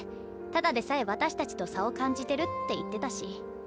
ただでさえ私たちと差を感じてるって言ってたし。